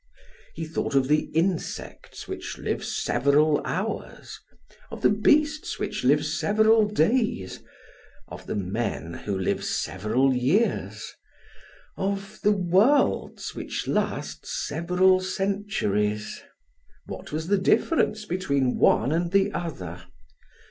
He thought of the insects which live several hours, of the feasts which live several days, of the men who live several years, of the worlds which last several centuries. What was the difference between one and the other?